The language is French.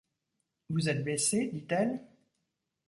Vous êtes blessé? dit-elle.